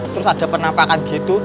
terus ada penampakan gitu